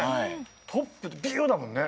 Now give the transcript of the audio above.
トップビューだもんね。